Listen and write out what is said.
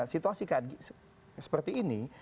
situasi seperti ini